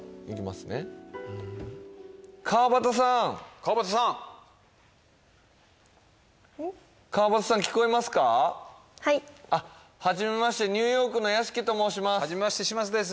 川畑さん聞こえますかはいはじめましてニューヨークの屋敷と申します